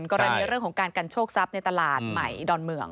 กรณีเรื่องของการกันโชคทรัพย์ในตลาดใหม่ดอนเมือง